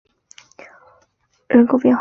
朗德洛河畔蒙泰涅人口变化图示